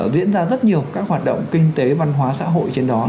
diễn ra rất nhiều các hoạt động kinh tế văn hóa xã hội trên đó